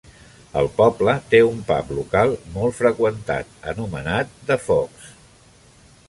El poble té un pub local molt freqüentat, anomenat "The Fox".